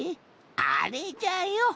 あれじゃよ